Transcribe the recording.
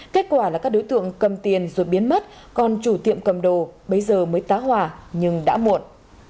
kết quả là các đối tượng cầm tiền rồi biến mất còn chủ tiệm cầm đồ bấy giờ mới tá hỏa nhưng đã muộn